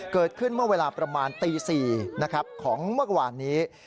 เกิดขึ้นเมื่อเวลาประมาณตี๔ของเมื่อวานนี้